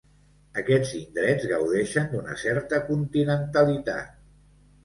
Aquests indrets gaudeixen d'una certa continentalitat.